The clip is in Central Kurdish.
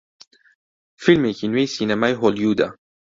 فیلمێکی نوێی سینەمای هۆلیوودە